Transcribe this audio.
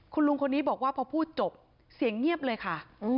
คุณลุงคนนี้บอกว่าพอพูดจบเสียงเงียบเลยค่ะ